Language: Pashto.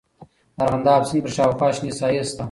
د ارغنداب سیند پر شاوخوا شنې ساحې سته.